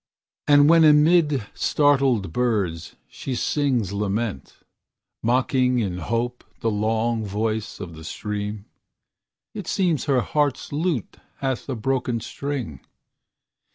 And when amid startled birds she sings lament, Mocking in hope the long voice of the stream, It seems her heart's lute hath a broken string.